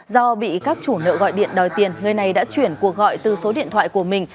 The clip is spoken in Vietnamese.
do bị các chủ nợ gọi điện đòi tiền người này đã chuyển cuộc gọi từ số điện thoại của mình